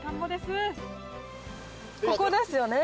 ここですよね？